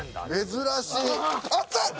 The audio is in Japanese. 珍しい。